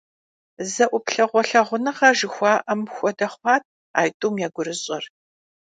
Зэ ӏуплъэгъуэ лъагъуныгъэ жыхуаӏэм хуэдэ хъуат а тӏум я гурыщӏэр.